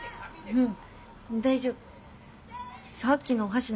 うん。